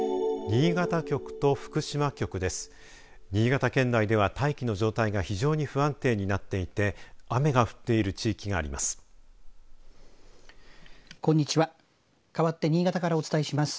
新潟県内では大気の状態が非常に不安定になっていて、雨が降っている地域があります。